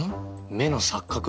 目の錯覚？